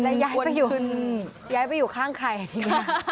และย้ายไปอยู่ข้างใครทีนี้